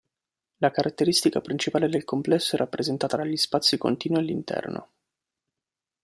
La caratteristica principale del complesso è rappresentata dagli "spazi continui" all'interno.